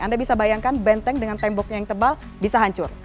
anda bisa bayangkan benteng dengan temboknya yang tebal bisa hancur